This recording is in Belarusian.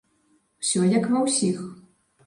Усё як ва ўсіх.